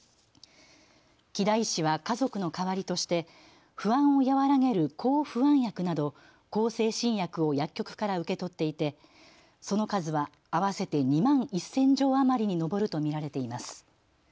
木田医師は、家族の代わりとして不安を和らげる抗不安薬など向精神薬を薬局から受け取っていてその数は合わせて２万１０００錠余りに上ると見られています。